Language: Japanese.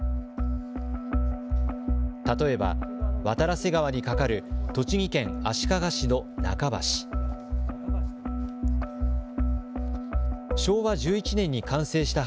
例えば渡良瀬川に架かる栃木県足利市の中橋。